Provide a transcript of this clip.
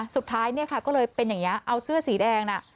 สุดท้ายก็เลยเป็นอย่างนี้เอาเสื้อสีแดง